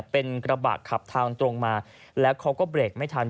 เป็นกระบะขับทางตรงมาแล้วเขาก็เบรกไม่ทัน